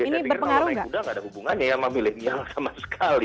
saya pikir kalau naik kuda gak ada hubungannya ya sama milenial sama sekali